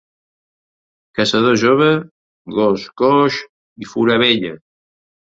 Caçador jove, gos coix i fura vella.